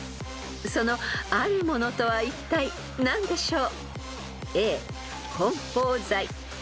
［そのあるものとはいったい何でしょう？］